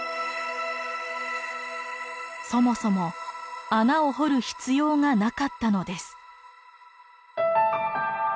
そもそも穴を掘る必要がなかったのです。